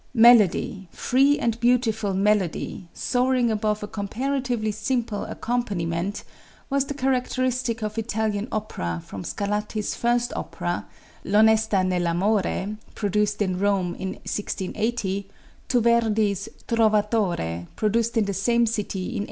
Melody, free and beautiful melody, soaring above a comparatively simple accompaniment, was the characteristic of Italian opera from Scarlatti's first opera, "L'Onesta nell' Amore," produced in Rome in 1680, to Verdi's "Trovatore," produced in the same city in 1853.